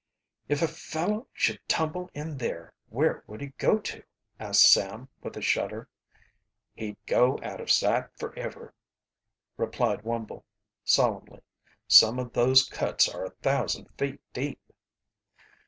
"If a fellow should tumble in there where would he go to?" asked Sam, with a shudder. "He'd go out of sight forever," replied Wumble solemnly. "Some of those cuts are a thousand feet deep."